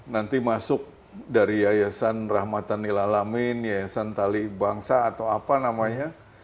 nanti masuk dari yayasan rahmatan nilalamin ⁇ yayasan tali bangsa atau apa namanya